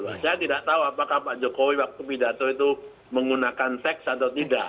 saya tidak tahu apakah pak jokowi waktu pidato itu menggunakan seks atau tidak